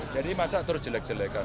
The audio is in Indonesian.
jadi masa terus jelek jelekan